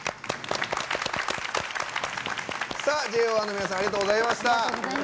ＪＯ１ の皆さんありがとうございました。